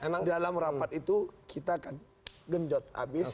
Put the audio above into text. memang dalam rapat itu kita akan genjot abis